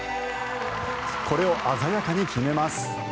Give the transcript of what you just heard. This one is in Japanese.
これを鮮やかに決めます。